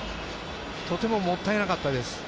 とてももったいなかったです。